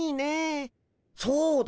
そうだ。